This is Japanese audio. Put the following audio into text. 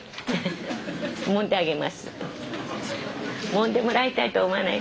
もんでもらいたいと思わない？